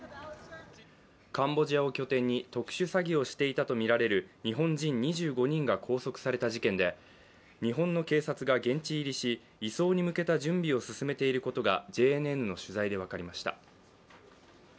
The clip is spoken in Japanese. カンボジアを拠点に特殊詐欺をしていたとみられる日本人２５人が拘束された事件で日本の警察が現地入りし、移送に向けた準備を進めていることがＪＮＮの取材で分かりました。